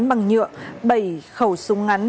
bằng nhựa bảy khẩu súng ngắn